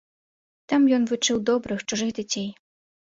Там ён вучыў добрых чужых дзяцей.